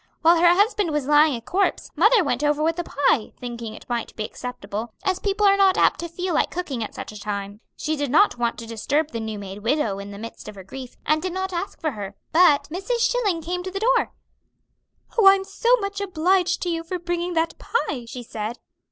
While her husband was lying a corpse, mother went over with a pie, thinking it might be acceptable, as people are not apt to feel like cooking at such a time. She did not want to disturb the new made widow in the midst of her grief, and did not ask for her; but Mrs. Schilling came to the door. 'Oh, I'm so much obliged to you for bringing that pie!' she said.